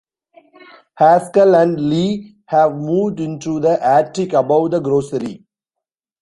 Haskell and Leah have moved into the attic above the grocery.